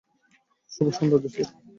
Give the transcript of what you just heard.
শুভ সন্ধ্যা, জোসেফ।